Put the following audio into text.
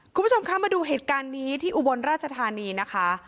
คุณผู้ชมคะมาดูเหตุการณ์นี้ที่อุบลราชธานีนะคะ